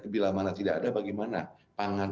bila mana tidak ada bagaimana pangan